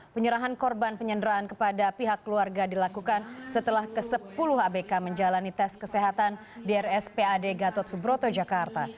penyerahan korban penyanderaan kepada pihak keluarga dilakukan setelah ke sepuluh abk menjalani tes kesehatan di rspad gatot subroto jakarta